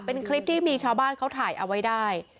เป็นคลิปที่มีชาวบ้านเขาถ่ายเอาไว้ได้